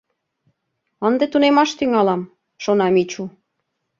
— Ынде тунемаш тӱҥалам, — шона Мичу.